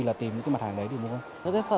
là tìm những mặt hàng đấy để mua